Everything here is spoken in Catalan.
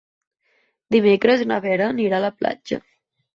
Dimecres na Vera anirà a la platja.